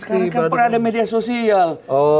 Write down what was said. sekarang kan pernah ada media sosial